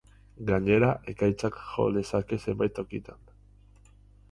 Gainera, ekaitzak jo lezake zenbait tokitan.